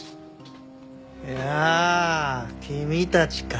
やあ君たちか。